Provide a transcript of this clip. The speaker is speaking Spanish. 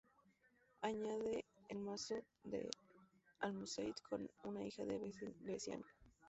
Añade que Manso casó a Almonacid con una hija de Veneciano.